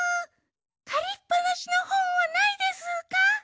かりっぱなしのほんはないでスか？